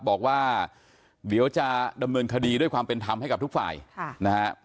บอกว่าเดี๋ยวจะดำเนินคดีด้วยความเป็นธรรมให้กับทุกฝ่ายนะฮะ